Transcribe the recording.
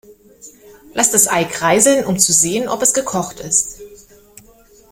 Lass das Ei kreiseln, um zu sehen, ob es gekocht ist.